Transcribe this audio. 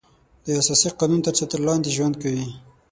د اساسي قانون تر چتر لاندې ژوند کوي.